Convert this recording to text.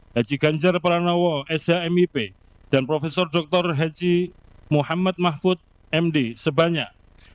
h c ganjar pranowo shmip dan prof dr h c muhammad mahfud md sebanyak dua puluh tujuh empat puluh delapan ratus